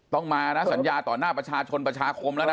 ต้องมานะสัญญาต่อหน้าประชาชนประชาคมแล้วนะ